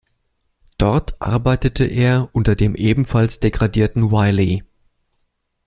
Dort arbeitete er unter dem ebenfalls degradierten Wiley.